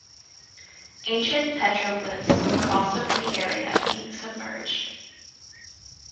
Ancient petroglyphs were also in the area being submerged.